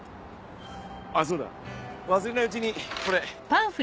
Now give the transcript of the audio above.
あぁそうだ忘れないうちにこれ。